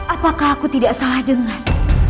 apakah aku tidak salah dengan